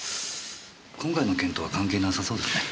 今回の件とは関係なさそうですね。